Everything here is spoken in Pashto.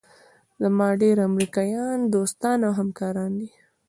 زما ډېر امریکایان دوستان او همکاران دي.